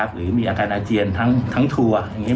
หรือมีอาการอาเจียนทั้งทัวร์